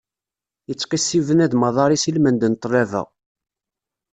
Ittqissi bnadem aḍaṛ-is ilmend n ṭlaba.